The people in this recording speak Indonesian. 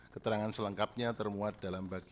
keterangan selengkapnya termuat dalam bagian